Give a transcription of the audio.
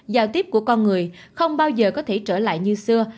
giao tiếp của con người không bao giờ có thể trở lại như xưa